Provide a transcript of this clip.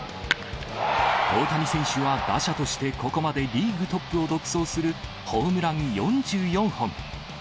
大谷選手は打者として、ここまでリーグトップを独走するホームラン４４本。